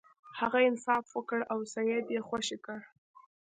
هغه انصاف وکړ او سید یې خوشې کړ.